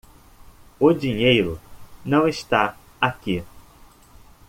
O dinheiro não está aqui.